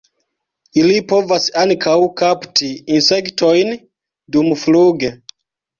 Ili povas ankaŭ kapti insektojn dumfluge.